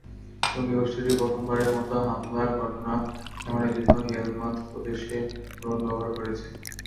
জঙ্গিগোষ্ঠীটি প্রথমবারের মতো হামলার ঘটনা ধারণের জন্য হেলমান্দ প্রদেশে ড্রোন ব্যবহার করেছে।